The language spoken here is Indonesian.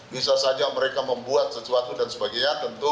bisa saja mereka membuat sesuatu dan sebagainya tentu